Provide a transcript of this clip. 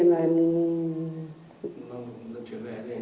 vâng vận chuyển về thì